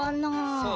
そう。